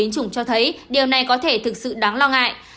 chủng cho thấy điều này có thể thực sự đáng lo ngại